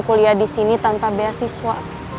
kuliah di sini tanpa beasiswa